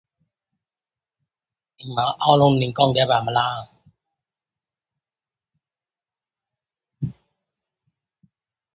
Lake Illawarra is popular for recreational fishing, prawning and sailing.